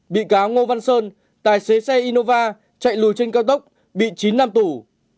bị cáo ngô văn sơn tài xế xe innova chạy lùi trên cao tốc bị chín năm tù